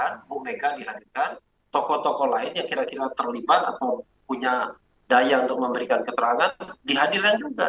ibu mega dihadirkan tokoh tokoh lain yang kira kira terlibat atau punya daya untuk memberikan keterangan dihadirkan juga